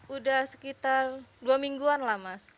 udah sekitar dua mingguan lah mas